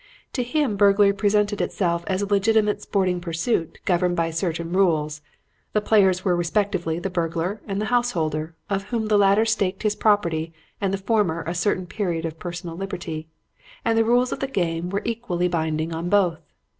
To him burglary presented itself as a legitimate sporting pursuit governed by certain rules. The players were respectively the burglar and the householder, of whom the latter staked his property and the former a certain period of personal liberty; and the rules of the game were equally binding on both.